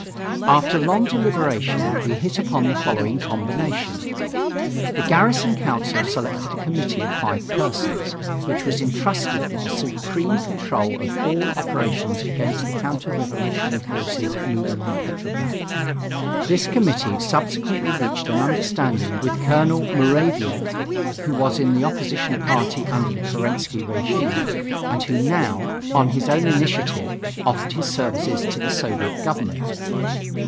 After long deliberation, we hit upon the following combination: The Garrison Council selected a committee of five persons, which was entrusted with the supreme control of all operations against the counter revolutionary forces moving on Petrograd. This committee subsequently reached an understanding with Colonel Muravief, who was in the opposition party under the Kerensky regime, and who now, on his own initiative, offered his services to the Soviet government.